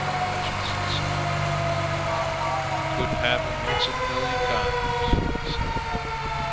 Hutchinson sighed. "Couldn't happen once in a million times," said.